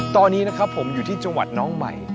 ตอนนี้นะครับผมอยู่ที่จังหวัดน้องใหม่